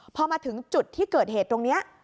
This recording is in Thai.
พอมาถึงจุดที่เกิดเหตุตรงนี้